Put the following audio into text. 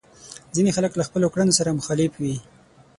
ځينې خلک له خپلو کړنو سره مخالف وي.